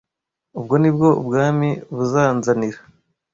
Ubwo ni bwo Ubwami buzanzanira